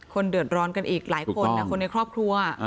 เดือดร้อนกันอีกหลายคนคนในครอบครัว